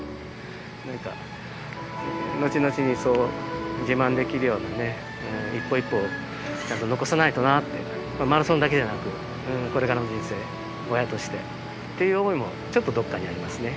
なんか、後々にそう自慢できるようなね、一歩一歩ちゃんと残さないとなって、マラソンだけじゃなく、これからの人生、親としてという想いも、ちょっとどっかにありますね。